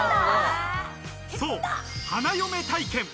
そう、花嫁体験。